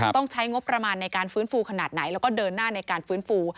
ต้องใช้งบประมาณในการฟื้นฟูขนาดไหนแล้วก็เดินหน้าในการฟื้นฟู